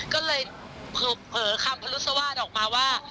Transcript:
ก็เลยเผลอคำพรุษวาสออกมาว่า